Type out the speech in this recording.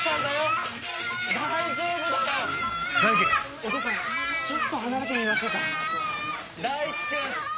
お父さんちょっと離れてみましょうか。